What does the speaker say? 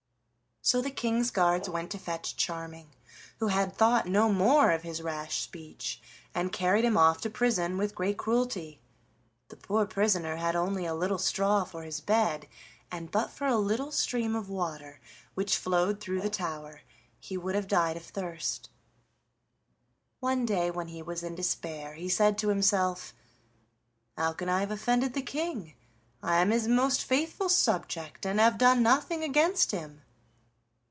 So the King's guards went to fetch Charming, who had thought no more of his rash speech, and carried him off to prison with great cruelty. The poor prisoner had only a little straw for his bed, and but for a little stream of water which flowed through the tower he would have died of thirst. One day when he was in despair he said to himself: "How can I have offended the King? I am his most faithful subject, and have done nothing against him."